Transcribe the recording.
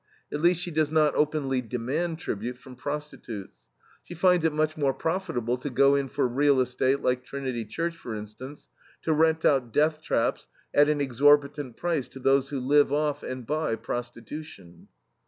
At least she does not openly demand tribute from prostitutes. She finds it much more profitable to go in for real estate, like Trinity Church, for instance, to rent out death traps at an exorbitant price to those who live off and by prostitution.